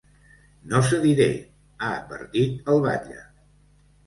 No cediré, ha advertit el batlle.